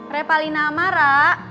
reh palina amara